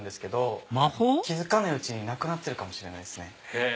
気付かないうちになくなってるかもしれないっすね。